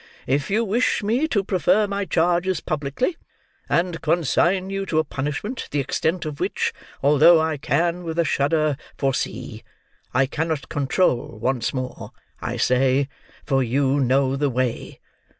"If you wish me to prefer my charges publicly, and consign you to a punishment the extent of which, although I can, with a shudder, foresee, I cannot control, once more, I say, for you know the way.